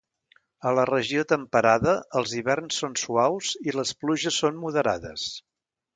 A la regió temperada, els hiverns són suaus i les pluges són moderades.